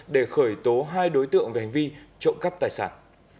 để khởi tố hai đối tượng về hành vi trộm cắp tài sản